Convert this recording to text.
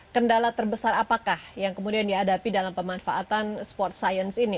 kendala terbesar apakah yang kemudian dihadapi dalam pemanfaatan sport science ini